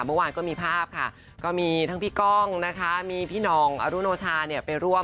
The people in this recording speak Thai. เมื่อวานก็มีภาพค่ะก็มีทั้งพี่ก้องนะคะมีพี่น้องอรุโนชาเนี่ยไปร่วม